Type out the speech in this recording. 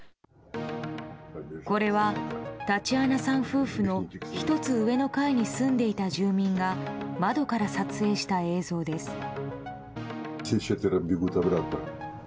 これは、タチアナさん夫婦の１つ上の階に住んでいた住民が窓から撮影した映像です。